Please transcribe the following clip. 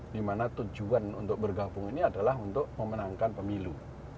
dimana tujuan untuk bergabung ini adalah untuk memenangkan pemilu